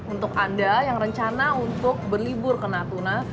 untuk anda yang rencana untuk berlibur ke natuna